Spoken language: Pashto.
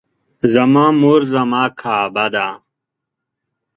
زما مور زما کعبه ده